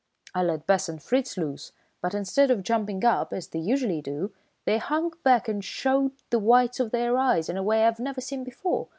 I let Bess and Fritz loose, but instead of jumping up, as they usually do, they hung back and showed the whites of their eyes in a way I've never seen before.